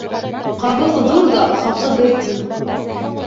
Ҡабыҡ ҙур ҙа, хаҡы бер тин.